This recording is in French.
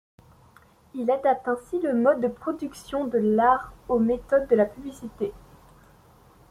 Il adapte ainsi le mode de production de l'art aux méthodes de la publicité.